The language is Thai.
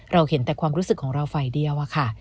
เห็นแต่ความรู้สึกของเราฝ่ายเดียวอะค่ะ